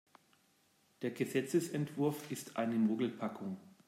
Der Gesetzesentwurf ist eine Mogelpackung.